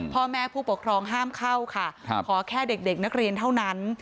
พ่อแม่ผู้ปกครองห้ามเข้าค่ะขอแค่เด็กนักเรียนเท่านั้น